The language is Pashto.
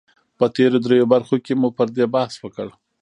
په تېرو دريو برخو کې مو پر دې بحث وکړ